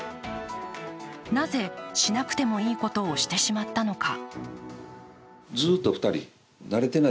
なぜ、しなくてもいいことをしてしまったのか。